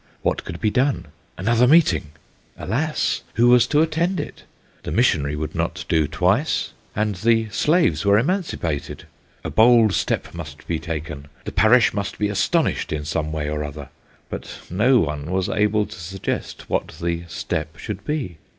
What could be done ? Another meeting ! Alas ! who was to attend it ? The Missionary would not do twice ; and the slaves wero emancipated. A bold step must be taken. The parish must be astonished in some way or other ; but no one was able to suggest what the step should be.